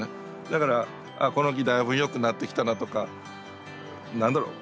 だからこの木だいぶよくなってきたなとか何だろう